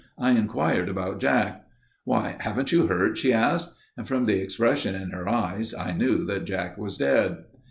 I inquired about Jack. "Why, haven't you heard?" she asked, and from the expression in her eyes I knew that Jack was dead.